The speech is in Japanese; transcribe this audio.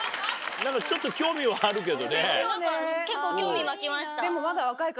ちょっと興味はあるけどね。